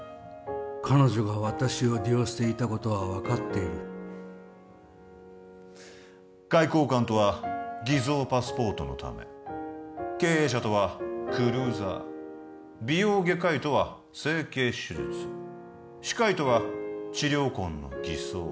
彼女が私を利用していたことは分かっている外交官とは偽造パスポートのため経営者とはクルーザー美容外科医とは整形手術歯科医とは治療痕の偽装